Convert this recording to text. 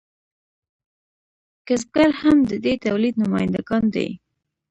کسبګر هم د دې تولید نماینده ګان دي.